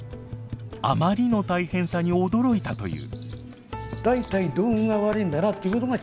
あまりの大変さに驚いたという。